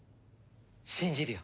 信じるよ。